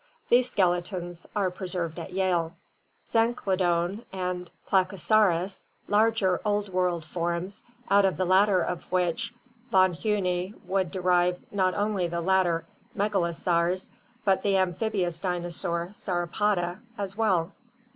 These skeletons are preserved at Yale. Zanclodon and Plakosaurus, larger Old World forms, out of the latter of which Von Huene would derive not only the later megalosaurs but the amphibious dinosaurs (Sauropoda) as well.